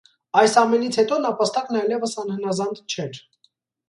Այս ամենից հետո նապաստակն այլևս անհնազանդ չէր։